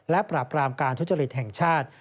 และปราบรามการทุจริตแห่งชาติ